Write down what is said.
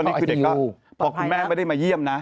พอคุณแม่ไม่ได้มาเยี่ยมนะ